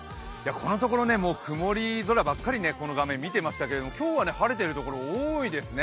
このところ曇り空ばっかりこの画面、見ていましたけど今日は晴れてるところ、多いですね。